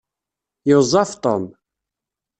Yuẓẓaf Tom.